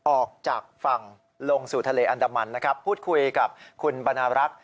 ออกจากฝั่งลงสู่ทะเลอันดามันนะครับพูดคุยกับคุณบรรณรักษ